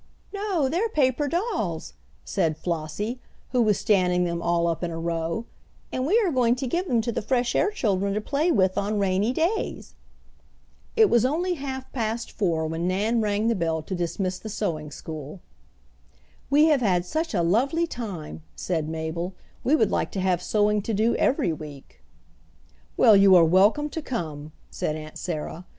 "No, they're paper dolls," said Flossie, who was standing them all up in a row, "and we are going to give them to the fresh air children to play with on rainy days." It was only half past four when Nan rang the bell to dismiss the sewing school. "We have had such a lovely time," said Mabel, "we would like to have sewing to do every week." "Well, you are welcome to come," said Aunt Sarah.